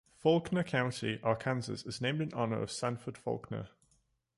Faulkner County, Arkansas is named in honor of Sanford Faulkner.